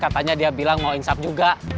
katanya dia bilang mau insaf juga